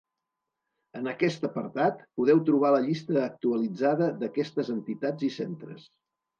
En aquest apartat, podeu trobar la llista actualitzada d'aquestes entitats i centres.